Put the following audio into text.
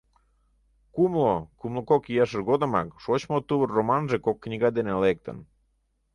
Кумло-кумло кок ияшыж годымак «Шочмо тувыр» романже кок книга дене лектын.